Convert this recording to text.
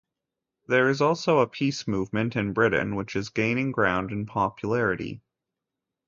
There is also a peace movement in Britain which is gaining ground in popularity.